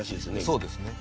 そうですね。